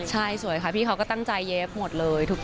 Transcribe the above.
ใช่สวยค่ะพี่เขาก็ตั้งใจเย็บหมดเลย